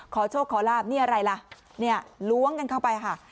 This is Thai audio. ขอโชคขอลาบนี่อะไรล่ะเนี่ยล้วงกันเข้าไปค่ะ